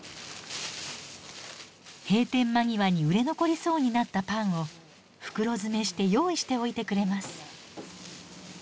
閉店間際に売れ残りそうになったパンを袋詰めして用意しておいてくれます。